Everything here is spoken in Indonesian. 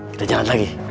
kita jalan lagi